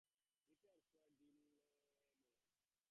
Repairs were duly made.